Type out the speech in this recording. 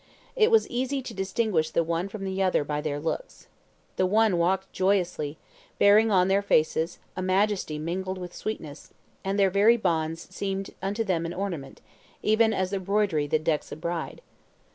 It was easy to distinguish the one from the other by their looks. The one walked joyously, bearing on their faces a majesty mingled with sweetness, and their very bonds seemed unto them an ornament, even as the broidery that decks a bride